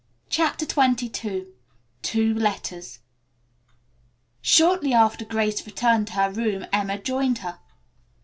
CHAPTER XXII TWO LETTERS Shortly after Grace returned to her room Emma joined her.